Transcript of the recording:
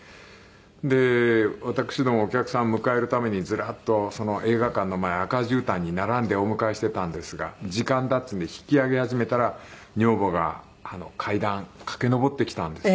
で私どもお客さん迎えるためにズラッと映画館の前赤じゅうたんに並んでお迎えしていたんですが時間だっていうんで引き上げ始めたら女房が階段駆け上ってきたんです。